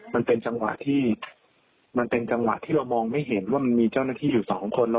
มันเป็นจังหวะที่มันเป็นจังหวะที่เรามองไม่เห็นว่ามันมีเจ้าหน้าที่อยู่สองคน